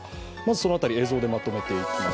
そのあたり映像でまとめていきます。